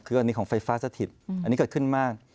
คืออันนี้ของไฟฟ้าสถิตอันนี้เกิดขึ้นมาก